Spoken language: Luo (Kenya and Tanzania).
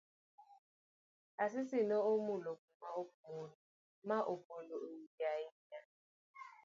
Asisi ne omulo kuma okmul ma opondo iye ahinya.